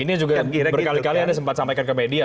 ini juga berkali kali anda sempat sampaikan ke media